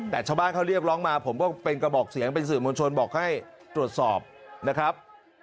แต่ชาวบ้านเขาเรียกร้องมาผมก็เป็นกระบอกเสียงเป็นสื่อมวลชนบอกให้ตรวจสอบนะครับ